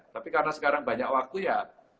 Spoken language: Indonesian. tapi karena sekarang banyak waktu ya